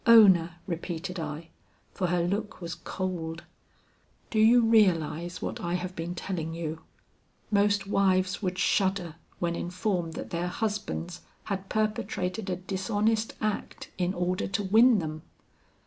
"'Ona,' repeated I, for her look was cold, 'do you realize what I have been telling you? Most wives would shudder when informed that their husbands had perpetrated a dishonest act in order to win them.'